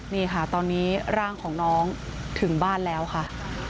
นี่ค่ะตอนนี้ร่างของน้องถึงบ้านแล้วค่ะ